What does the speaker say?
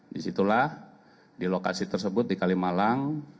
disitulah di lokasi tersebut di kalimalang